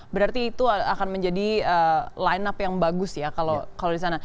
berarti itu akan menjadi line up yang bagus ya kalau di sana